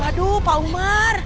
aduh pak umar